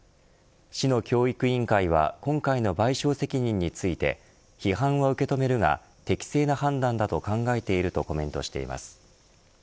市の教育委員会は今回の賠償責任について批判は受け止めるが適正な判断だと考えているとコメントしています。